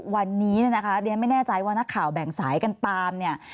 วันนี้นะคะเรียกไม่แน่ใจว่านักข่าวแบ่งสายกันตาม